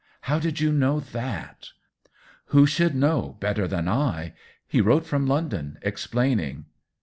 " How did you know that ?''" Who should know better than I ? He wrote from London, explaining."